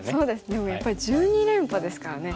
でもやっぱり１２連覇ですからね。